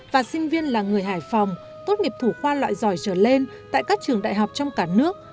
và sinh viên là người hải phòng tốt nghiệp thủ khoa loại giỏi trở lên tại các trường đại học trong cả nước